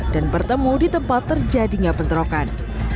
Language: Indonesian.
dan bertemu di tempat terjadinya bentrokan